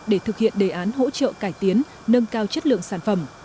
để thực hiện đề án hỗ trợ cải tiến nâng cao chất lượng sản phẩm